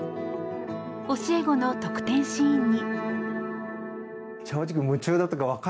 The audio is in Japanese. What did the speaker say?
教え子の得点シーンに。